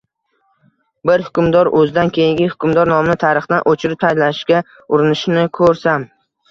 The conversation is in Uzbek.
Bir hukmdor o‘zidan keyingi hukmdor nomini tarixdan o‘chirib tashlashga urinishini ko‘rsam